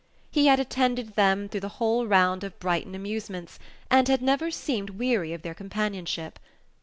He had attended them through the whole round of Brighton amusements, and had never seemed weary of their companionship.